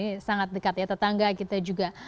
ini sangat dekat ya tetangga kita juga